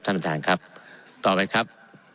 ท่านประธานครับต่อไปครับ